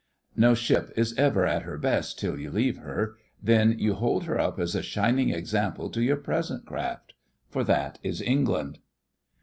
No ship is ever at her best till you leave her. Then you hold her up as a shining example to your present craft. For that is England.